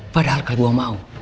padahal kalau gue mau